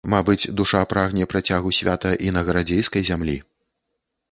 Мабыць, душа прагне працягу свята і на гарадзейскай зямлі.